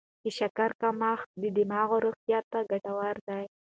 د شکرې کمښت د دماغ روغتیا ته ګټور دی.